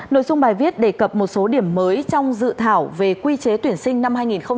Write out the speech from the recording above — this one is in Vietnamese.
nội dung bài viết đề cập một số điểm mới trong dự thảo về quy chế tuyển sinh năm hai nghìn hai mươi